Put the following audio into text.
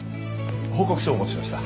報告書をお持ちしました。